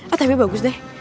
ah tapi bagus deh